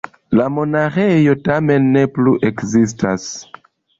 La monaĥejo tamen ne plu ekzistas.